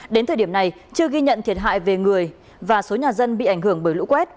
đến thời điểm này chưa ghi nhận thiệt hại về người và số nhà dân bị ảnh hưởng bởi lũ quét